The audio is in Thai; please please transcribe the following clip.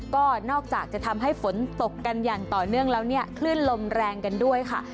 ก็นอกจากจะทำให้ฝนตกกันอย่างต่อเนื่องแล้วเนี่ยคลื่นลมแรงกันด้วยค่ะ